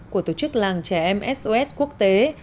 của tổ chức làng trẻ em sos quốc tế